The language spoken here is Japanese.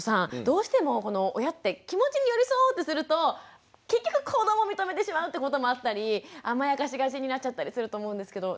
どうしても親って気持ちに寄り添おうとすると結局行動も認めてしまうってこともあったり甘やかしがちになっちゃったりすると思うんですけど。